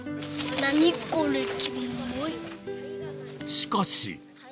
しかし。